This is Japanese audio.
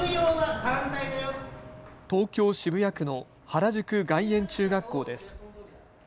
東京渋谷区の原宿外苑中学校です。